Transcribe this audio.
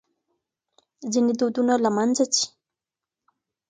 ځينې دودونه له منځه ځي.